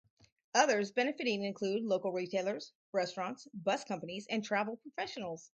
Others benefiting include local retailers, restaurants, bus companies and travel professionals.